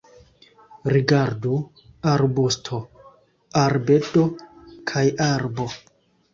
Rigardu: arbusto, arbedo kaj arbo.